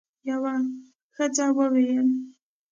یوه ښځه وویل: